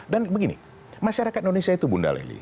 dan begini masyarakat indonesia itu bunda lely